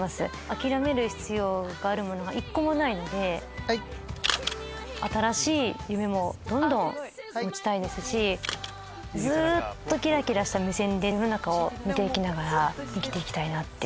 すごい！新しい夢もどんどん持ちたいですしずっとキラキラした目線で世の中を見ていきながら生きていきたいなって。